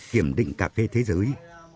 kiểm định cà phê thế giới